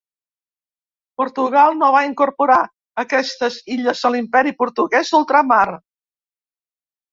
Portugal no va incorporar aquestes illes a l'imperi portuguès d'ultramar.